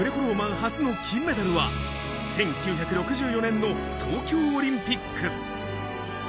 初の金メダルは、１９６４年の東京オリンピック。